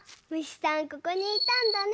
ここにいたんだね！